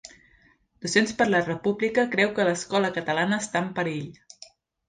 Docents per la República creu que l'escola catalana està en perill